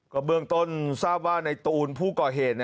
ก็เบื้องต้นทราบว่าในตูนผู้ก่อเหตุ